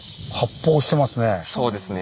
そうですね。